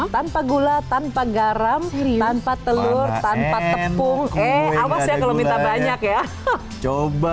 tanpa gula tanpa garam tanpa telur tanpa tepung eh awas ya kalau minta banyak ya coba